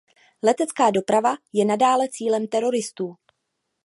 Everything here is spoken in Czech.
Letecká doprava je nadále cílem teroristů.